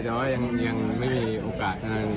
แต่ว่ายังไม่มีโอกาสได้